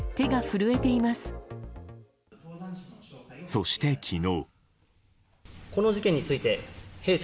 そして、昨日。